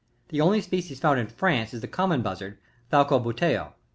The only species found in France is the Common Buzzard, — Falco buteo.